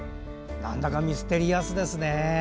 なんだかミステリアスですね。